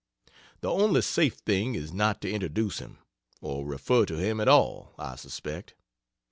The only safe thing is not to introduce him, or refer to him at all, I suspect.